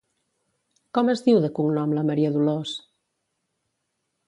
Com es diu de cognom la Maria Dolors?